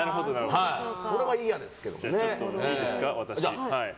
それは嫌ですね。